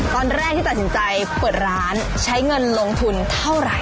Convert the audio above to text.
ตอนแรกที่ตัดสินใจเปิดร้านใช้เงินลงทุนเท่าไหร่